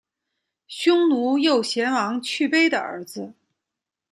匈奴右贤王去卑的儿子。